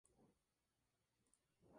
Ubicación: Av.